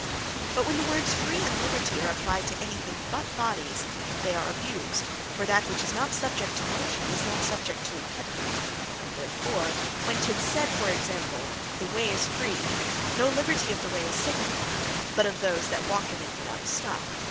But when the words Free, and Liberty, are applyed to any thing but Bodies, they are abused; for that which is not subject to Motion, is not subject to Impediment: And therefore, when 'tis said (for example) The way is free, no liberty of the way is signified, but of those that walk in it without stop.